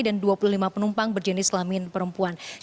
dan dua puluh lima penumpang berjenis kelamin perempuan